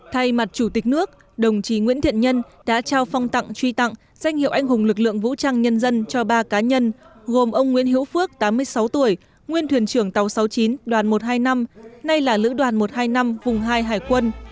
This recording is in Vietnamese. thay mặt chủ tịch nước đồng chí nguyễn thiện nhân đã trao phong tặng truy tặng danh hiệu anh hùng lực lượng vũ trang nhân dân cho ba cá nhân gồm ông nguyễn hiễu phước tám mươi sáu tuổi nguyên thuyền trưởng tàu sáu mươi chín đoàn một trăm hai mươi năm nay là lữ đoàn một trăm hai mươi năm vùng hai hải quân